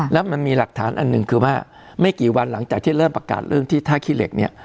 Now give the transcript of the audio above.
แล้วมันมีหลักฐานอันหนึ่งคือว่าไม่กี่วันหลังจากที่เริ่มประกาศเรื่องที่ท่าขี้เหล็กเนี่ย